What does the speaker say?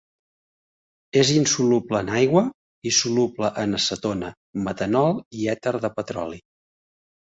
És insoluble en aigua i soluble en acetona, metanol i èter de petroli.